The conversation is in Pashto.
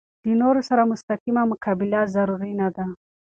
د نورو سره مستقیمه مقابله ضروري نه ده.